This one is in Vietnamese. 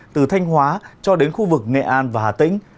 từ thanh hóa cho đến khu vực nghệ an và hà tĩnh